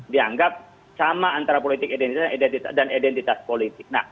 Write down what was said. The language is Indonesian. dianggap sama antara politik identitas dan identitas politik